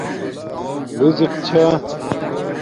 رزِق چھا